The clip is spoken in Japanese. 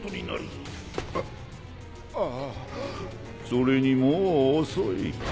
それにもう遅い。